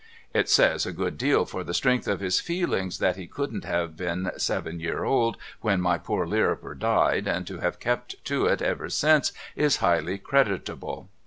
' It says a good deal for the strength of his feelings that he couldn't have been seven year old when my poor Lirriper died and to have kept to it ever since is highly creditable.